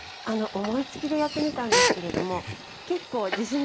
思いつきでやってみたんですけれども結構自信作なんです。